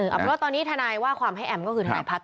เอออาจารย์ว่าตอนนี้ฐานายว่าความให้แอมก็คือฐานายพักษ์